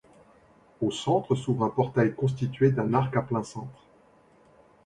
Au centre s'ouvre un portail constitué d'un arc à plein cintre.